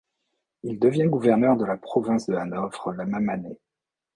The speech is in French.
Il devient gouverneur de la province de Hanovre la même année.